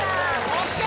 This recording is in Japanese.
ＯＫ